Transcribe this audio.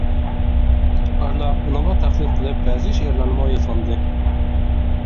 ئارىلاپ ئۇنىڭغا تەقلىد قىلىپ بەزى شېئىرلارنىمۇ يازغانىدى.